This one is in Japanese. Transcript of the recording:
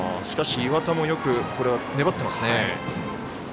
しかし、岩田もよく粘っていますね。